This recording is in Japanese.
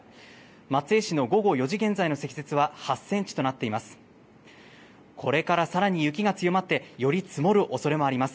松江市の午後４時現在の積雪は８センチとなっています。